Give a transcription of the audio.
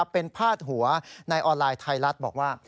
เป็นพาดหัวในออนไลน์ไทยรัฐบอกว่า